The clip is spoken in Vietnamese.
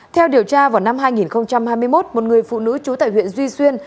theo điều tra vào năm hai nghìn hai mươi một một người phụ nữ trú tại huyện duy xuyên